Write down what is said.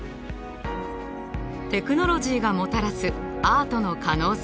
テクノロジーがもたらすアートの可能性。